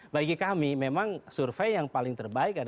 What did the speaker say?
bagi kami memang survei yang paling terbaik